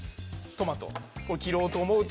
トマトを切ろうと思うと。